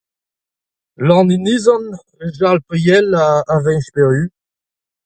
Lan Inizan, Jarl Priel ha Fañch Peru.